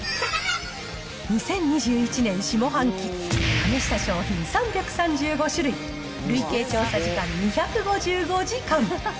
２０２１年下半期、試した商品３３５種類、累計調査時間２５５時間。